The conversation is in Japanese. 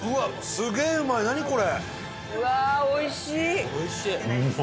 すげえうまいこれ。